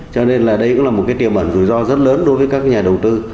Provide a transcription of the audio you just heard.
cho nên là đây cũng là một cái tiềm ẩn rủi ro rất lớn đối với các nhà đầu tư